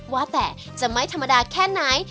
ว่าแต่จะไม่ธรรมดาแค่ไหน